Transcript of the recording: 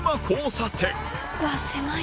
うわっ狭い。